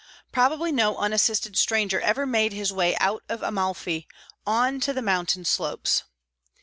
Probably no unassisted stranger ever made his way out of Amalfi on to the mountain slopes.